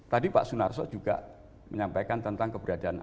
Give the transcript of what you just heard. tadi pak sunaso juga menyampaikan tentang keberadaan agen bri